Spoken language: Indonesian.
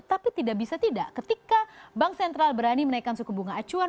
tapi tidak bisa tidak ketika bank sentral berani menaikkan suku bunga acuan